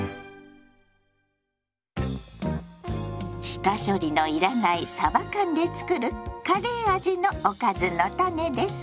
下処理の要らない「さば缶」で作るカレー味のおかずのタネです。